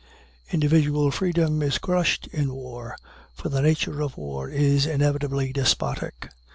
Individual freedom is crushed in war, for the nature of war is inevitably despotic.